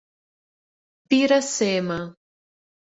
Piracema